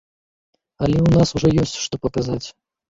Але ў нас ужо ёсць, што паказаць.